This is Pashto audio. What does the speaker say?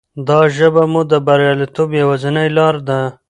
دا ژبه مو د بریالیتوب یوازینۍ لاره ده.